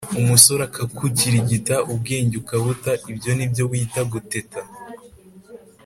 umusore akagukirigita ubwenge ukabuta ibyo nibyo wita guteta?